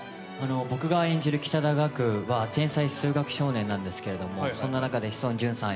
僕が演じる北田岳は天才数学少年なんですけれども、そんな中で志尊淳さん